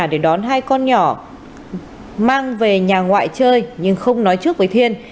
để đón hai con nhỏ mang về nhà ngoại chơi nhưng không nói trước với thiên